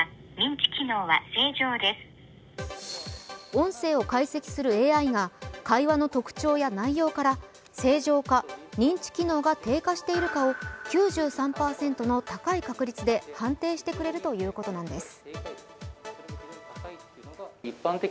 音声を解析するＡＩが会話の特徴や内容から正常か認知機能が低下しているかを９３％の高い確率で判定してくれるということなんです。